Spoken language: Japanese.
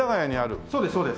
そうですそうです。